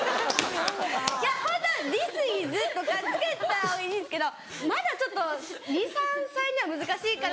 ホントはディスイズとか付けた方がいいんですけどまだちょっと２３歳には難しいからって。